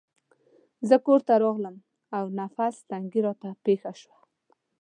زه کورته راغلم او نفس تنګي راته پېښه شوه.